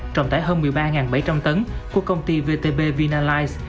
trọng tải hơn một mươi ba bảy trăm linh tấn của công ty vtb vinalize